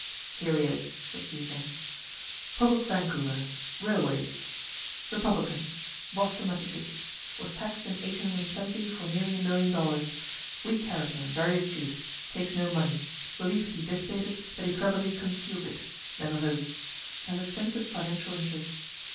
"Here he is," said Z again. "Pocock Vancouver. Railways. Rep. Boston, Mass. Was taxed in 1870 for nearly a million dollars. Weak character, very astute. Takes no money. Believed to be dissipated, but he cleverly conceals it. Never votes. Has extensive financial interests.